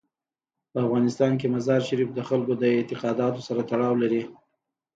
په افغانستان کې مزارشریف د خلکو د اعتقاداتو سره تړاو لري.